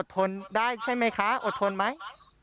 ทนได้ใช่ไหมคะอดทนไหม